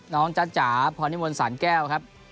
น้องจำจ๋าพรนิมลสารแก้วครับ